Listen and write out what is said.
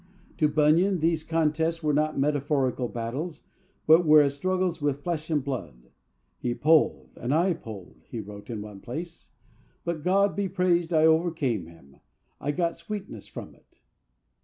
To Bunyan these contests were not metaphorical battles, but were as struggles with flesh and blood. "He pulled, and I pulled," he wrote in one place; "but, God be praised, I overcame him I got sweetness from it."